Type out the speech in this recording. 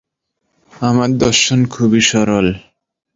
আমার দর্শন খুবই সরল।